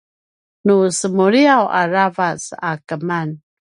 nu semuliyaw aravac a keman